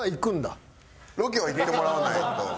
ロケは行ってもらわないと。